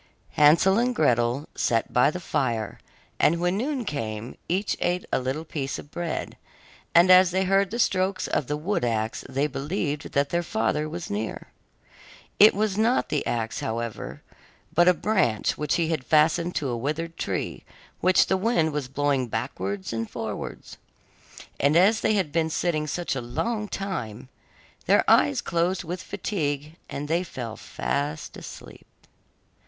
Hansel and Gretel sat by the fire, and when noon came, each ate a little piece of bread, and as they heard the strokes of the wood axe they believed that their father was near. It was not the axe, however, but a branch which he had fastened to a withered tree which the wind was blowing backwards and forwards. And as they had been sitting such a long time, their eyes closed with fatigue, and they fell fast asleep.